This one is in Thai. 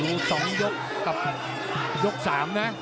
อู๋๒ยกกับยก๓นะ